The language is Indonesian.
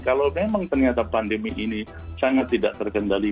kalau memang ternyata pandemi ini sangat tidak terkendali